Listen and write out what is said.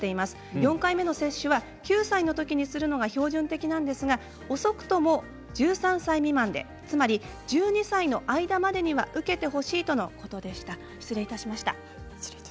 ４回目の接種は９歳のときにするのが標準的なんですが遅くとも１３歳未満でつまり１２歳の間までには受けてほしいとのことでした。